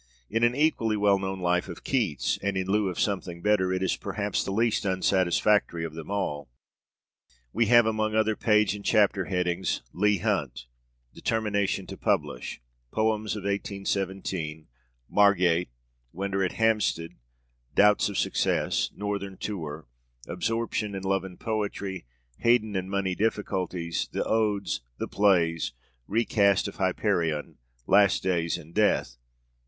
In an equally well known life of Keats, and in lieu of something better it is perhaps the least unsatisfactory of them all, we have, among other page and chapter headings: 'Leigh Hunt'; 'Determination to Publish'; 'Poems of 1817'; 'Margate'; 'Winter at Hampstead'; 'Doubts of Success'; 'Northern Tour'; 'Absorption in Love and Poetry'; 'Haydon and Money Difficulties'; 'The Odes'; 'The Plays'; 'Recast of Hyperion'; 'Last Days and Death.'